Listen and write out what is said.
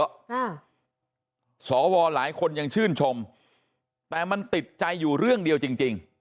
อ่าสวหลายคนยังชื่นชมแต่มันติดใจอยู่เรื่องเดียวจริงจริง